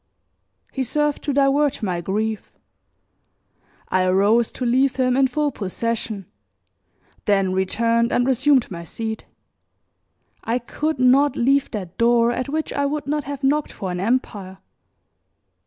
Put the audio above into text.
He served to divert my grief; I arose to leave him in full possession, then returned and resumed my seat. I could not leave that door at which I would not have knocked for an empire.